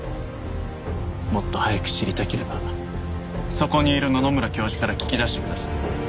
もっと早く知りたければそこにいる野々村教授から聞き出してください。